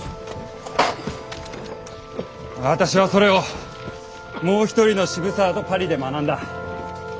私はそれをもう一人の渋沢とパリで学んだ。